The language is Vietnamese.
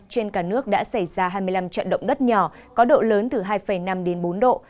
trên cả nước đã xảy ra hai mươi năm trận động đất nhỏ có độ lớn từ hai năm đến bốn độ